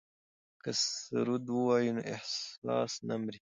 که سرود ووایو نو احساس نه مري.